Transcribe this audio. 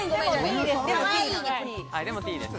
でもＴです。